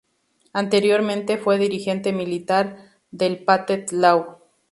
Anteriormente fue dirigente militar del Pathet Lao.